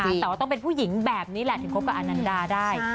แต่ว่าต้องเป็นผู้หญิงแบบนี้แหละถึงคบกับอนันดาได้